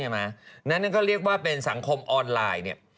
นั่นก็เรียกว่าเป็นสังคมออนไลน์เนี่ย